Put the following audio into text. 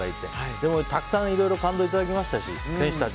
でも、たくさんいろいろ感動をいただきましたし選手たち